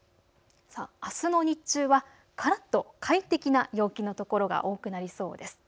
あすの日中はからっと快適な陽気の所が多くなりそうです。